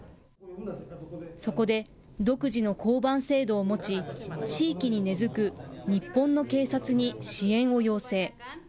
そこで、独自の交番制度を持ち、地域に根づく日本の警察に支援を要請。